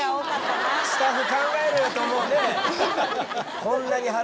スタッフ考えろよと思うね。